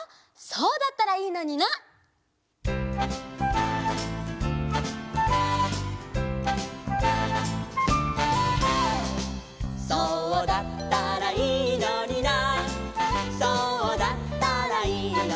「そうだったらいいのになそうだったらいいのにな」